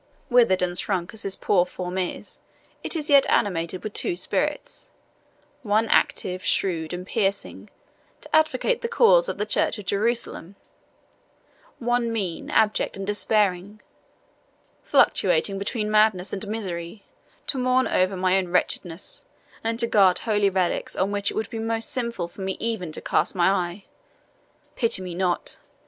Withered and shrunk as this poor form is, it is yet animated with two spirits one active, shrewd, and piercing, to advocate the cause of the Church of Jerusalem; one mean, abject, and despairing, fluctuating between madness and misery, to mourn over my own wretchedness, and to guard holy relics on which it would be most sinful for me even to cast my eye. Pity me not!